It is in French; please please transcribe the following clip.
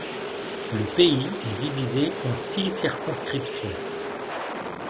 Le pays est divisé en six circonscriptions.